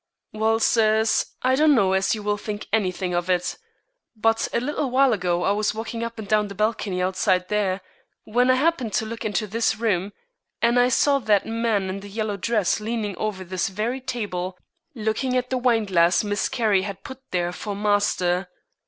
"Well, sirs, I don't know as you will think any thing of it, but a little while ago I was walking up and down the balcony outside there, when I happened to look into this room, and I saw that man in the yellow dress leaning over this very table, looking into the wineglass Miss Carrie had put there for master.